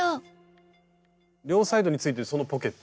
両サイドについてるそのポケット。